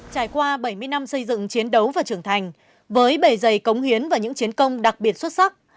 trải qua bảy mươi năm xây dựng chiến đấu và trưởng thành với bề dày cống hiến và những chiến công đặc biệt xuất sắc